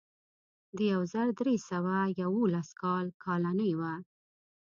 د یو زر درې سوه یوولس کال کالنۍ وه.